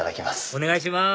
お願いします